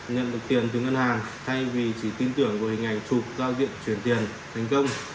nhận được tiền từ ngân hàng thay vì chỉ tin tưởng về hình ảnh thuộc giao diện chuyển tiền thành công